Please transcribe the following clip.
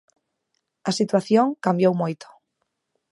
A situación cambiou moito.